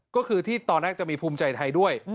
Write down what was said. ก็คือที่ตอนแรกจะมีภูมิใจไทยด้วย